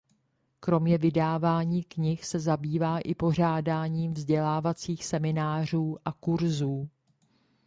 Kromě vydávání knih se zabývá i pořádáním vzdělávacích seminářů a kurzů.